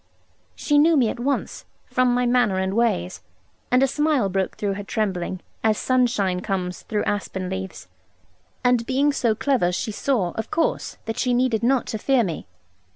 She knew me at once, from my manner and ways, and a smile broke through her trembling, as sunshine comes through aspen leaves; and being so clever, she saw, of course, that she needed not to fear me.